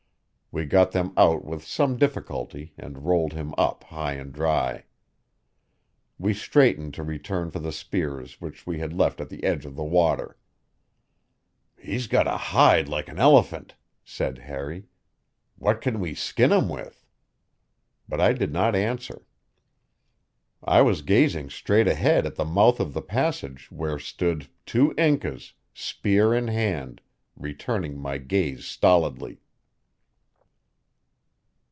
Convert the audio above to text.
We got them out with some difficulty and rolled him up high and dry. We straightened to return for the spears which we had left at the edge of the water. "He's got a hide like an elephant," said Harry. "What can we skin him with?" But I did not answer. I was gazing straight ahead at the mouth of the passage where stood two Incas, spear in hand, returning my gaze stolidly.